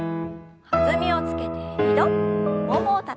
弾みをつけて２度ももをたたいて。